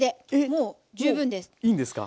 もういいんですか？